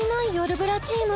ブラチーム